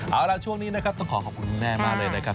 เอาล่ะช่วงนี้นะครับต้องขอขอบคุณคุณแม่มากเลยนะครับ